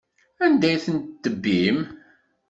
Anda ay ten-tebbim?